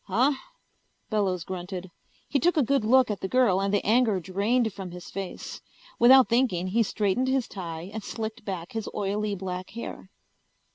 "Huh?" Bellows grunted. He took a good look at the girl and the anger drained from his face. Without thinking he straightened his tie and slicked back his oily black hair.